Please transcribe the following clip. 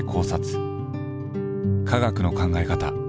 科学の考え方